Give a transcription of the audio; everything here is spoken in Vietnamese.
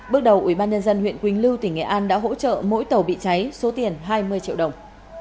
bước đầu ubnd huyện quỳnh lưu tỉnh nghệ an đã hỗ trợ mỗi tàu bị cháy số tiền hai mươi triệu đồng